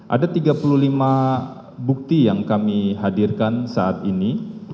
ada tiga puluh lima bukti yang kami hadirkan saat ini